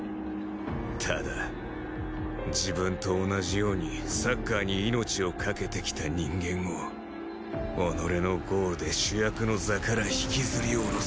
ただ自分と同じようにサッカーに命を懸けてきた人間を己のゴールで主役の座から引きずり下ろす